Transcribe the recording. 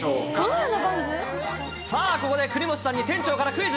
さあ、ここで国本さんに店長からクイズ。